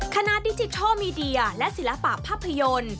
ดิจิทัลมีเดียและศิลปะภาพยนตร์